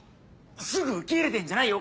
すぐ受け入れてんじゃないよ